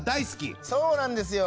そうなんですよ。